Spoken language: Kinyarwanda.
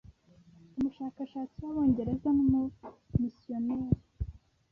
Umushakashatsi w’abongereza n’umumisiyoneri